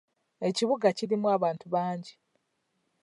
Ekibuga kirimu abantu bangi.